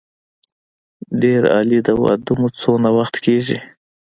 ډېر عالي د واده مو څونه وخت کېږي.